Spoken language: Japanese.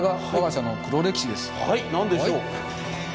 はい何でしょう？